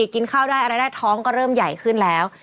กินข้าวได้อะไรได้ท้องก็เริ่มใหญ่ขึ้นแล้ว